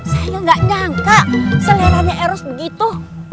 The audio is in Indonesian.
saya nggak nyangka seleranya erus begitu